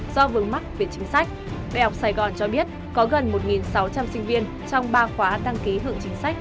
do vướng mắc về chính sách đại học sài gòn cho biết có gần một sáu trăm linh sinh viên trong ba khóa đăng ký hưởng chính sách